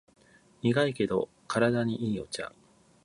苦いけど体にいいお茶